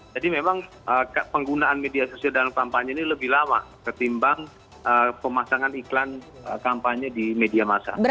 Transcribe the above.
jadi memang penggunaan media sosial dalam kampanye ini lebih lama ketimbang pemasangan iklan kampanye di media massa